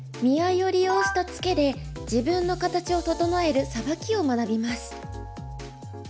見合いを利用したツケで自分の形を整えるサバキを学びます。